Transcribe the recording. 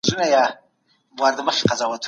آیا د خوړو مسمومیت په ځوانانو کې ډېر دی؟